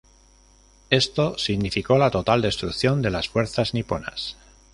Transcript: Esto significó la total destrucción de las fuerzas niponas.